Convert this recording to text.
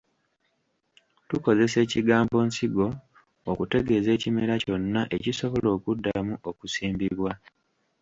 Tukozesa ekigambo Nsigo okutegeeza ekimera kyonna ekisobola okuddamu okusimbimwa.